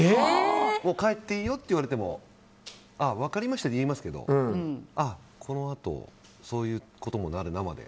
帰っていいよって言われても分かりましたとは言いますけどこのあとそういうこともなるなまで。